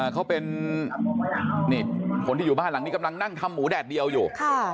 เขาเป็นคนที่อยู่บ้านหลังนี้กำลังนั่งทำหมูแดดเดียวอยู่